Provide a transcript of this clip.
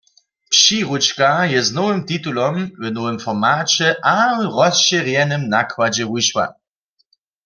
Přiručka je z nowym titulom, w nowym formaće a w rozšěrjenym nakładźe wušła.